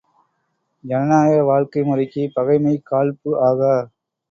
ஜனநாயக வாழ்க்கை முறைக்குப் பகைமை, காழ்ப்பு ஆகா.